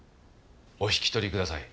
お引き取りください。